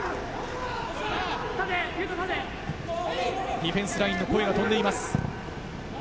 ディフェンスラインの声が飛んでいます。